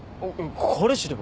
彼氏では。